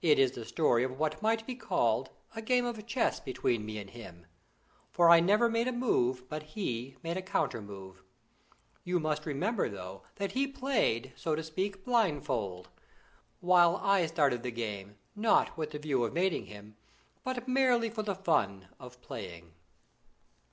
It is the story of what might be called a game of chess between me and him; for I never made a move, but he made a counter move. You must remember though that he played, so to speak, blindfold, while I started the game, not with the view of mating him, but merely for the fun of playing.